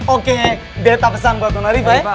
oke beta pesan buat nona arief ya